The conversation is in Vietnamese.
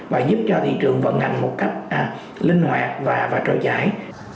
và giúp cho thị trường vận hành một cách linh hoạt và trôi chảy